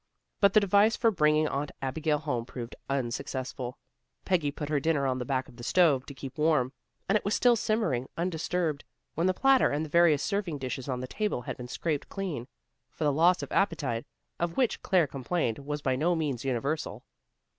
But the device for bringing Aunt Abigail home proved unsuccessful. Peggy put her dinner on the back of the stove to keep warm, and it was still simmering, undisturbed, when the platter and the various serving dishes on the table had been scraped clean, for the loss of appetite of which Claire complained was by no means universal.